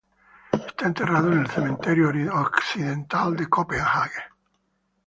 Está enterrado en el Cementerio Occidental de Copenhague.